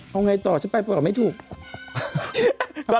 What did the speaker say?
ว่าไงต่อจะต่อช่วยนะคะ